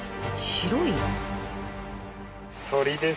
白い？